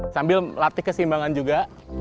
sambil latih kesimbangan juga